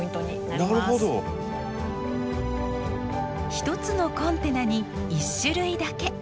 １つのコンテナに１種類だけ。